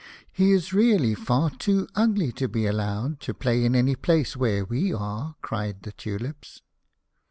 "He is really far too ugly to be allowed to play in any place where we are," cried the Tulips.